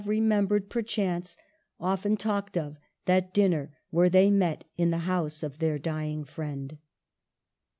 remembered, perchance often talked of, that din ner where they met in the house of their dying friend.